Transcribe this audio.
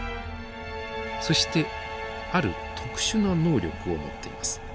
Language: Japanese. そしてある特殊な能力を持っています。